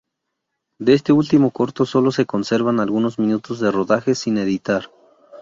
De este último corto solo se conservan algunos minutos de rodaje sin editar.